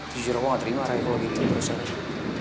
jujur aku gak terima raya kalo gini terus aja